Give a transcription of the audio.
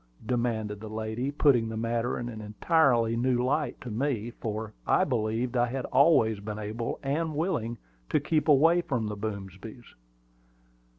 demanded the lady, putting the matter in an entirely new light to me, for I believed I had always been able and willing to keep away from the Boomsbys.